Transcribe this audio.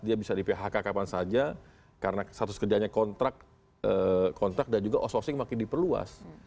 dia bisa di phk kapan saja karena status kerjanya kontrak dan juga outsourcing makin diperluas